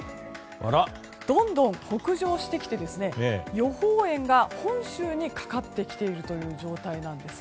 どんどん北上してきて予報円が本州にかかってきているという状態なんです。